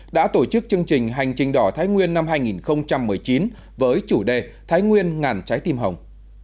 đã tổ chức chương trình hành trình đỏ thái nguyên năm hai nghìn một mươi chín với chủ đề thái nguyên ngàn trái tim hồng